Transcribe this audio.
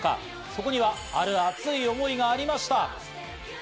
そこにはある熱い思いがありました。